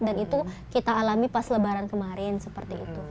dan itu kita alami pas lebaran kemarin seperti itu